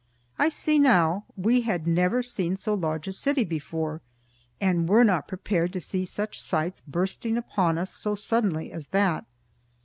I see now. We had never seen so large a city before, and were not prepared to see such sights, bursting upon us so suddenly as that.